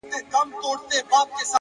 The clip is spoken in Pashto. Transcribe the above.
هڅه د تقدیر دروازې ټکوي.!